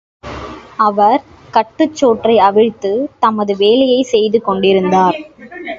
அவர் கட்டுச்சோற்றை அவிழ்த்துத் தமது வேலையைச் செய்து கொண்டிருந்தார்.